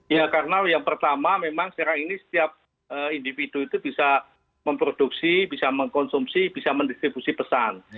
ya karena yang pertama memang sekarang ini setiap individu itu bisa memproduksi bisa mengkonsumsi bisa mendistribusi pesan